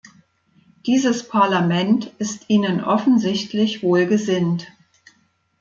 Dieses Parlament ist Ihnen offensichtlich wohlgesinnt.